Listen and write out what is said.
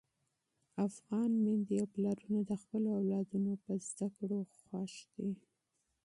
افغان میندې او پلرونه د خپلو اولادونو په زده کړو خوښ دي.